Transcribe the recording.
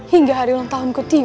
hingga hari ulang tahunku timah